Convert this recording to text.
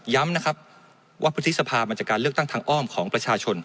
ย้ำนะครับว่าพฤษภามาจากการเลือกตั้งทางอ้อมของประชาชน